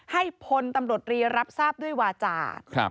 ให้พลตำรวจรีรับทราบด้วยวาจา